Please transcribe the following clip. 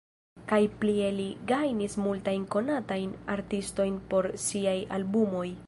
Kaj plie li gajnis multajn konatajn artistojn por siaj albumoj.